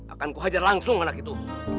akan kuhajar langsung anak itu